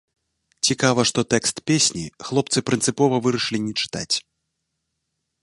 Цікава, што тэкст песні хлопцы прынцыпова вырашылі не чытаць.